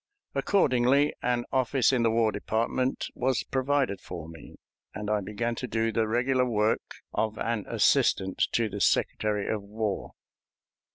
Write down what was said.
Accordingly, an office in the War Department was provided for me, and I began to do the regular work of an assistant to the Secretary of War.